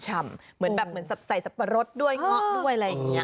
เหมือนแบบใส่สับปะรดด้วยง๊อดด้วยอะไรอย่างนี้